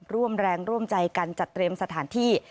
ร่วมแรงร่วมใจกันจัดเตรียมสถานที่